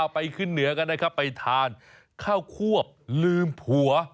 ไปขึ้นเหนือกันนะครับไปทานข้าวควบลืมผัว